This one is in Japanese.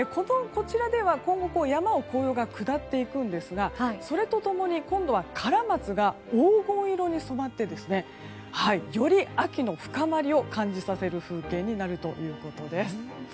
今後、山を紅葉が下っていくんですがそれと共に今度はカラマツが黄金色に染まってより秋の深まりを感じさせる風景になるということです。